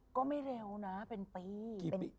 ก็ไม่เร็วนะเป็นปี